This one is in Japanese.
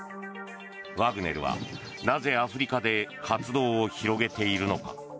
ワグネルは、なぜアフリカで活動を広げているのか。